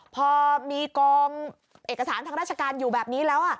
พอมีกองเอกสารทางราชการอยู่แบบนี้แล้ว